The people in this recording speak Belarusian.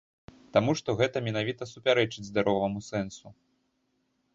Таму што гэта менавіта супярэчыць здароваму сэнсу.